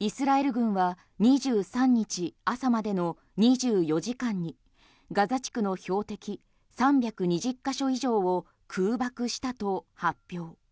イスラエル軍は２３日朝までの２４時間にガザ地区の標的３２０か所以上を空爆したと発表。